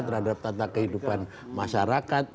terhadap tata kehidupan masyarakat